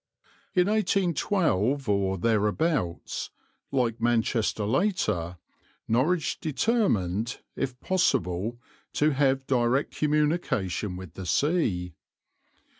In 1812 or thereabouts, like Manchester later, Norwich determined, if possible, to have direct communication with the sea.